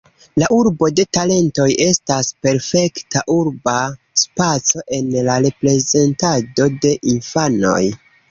La urbo de talentoj estas perfekta urba spaco en la reprezentado de infanoj.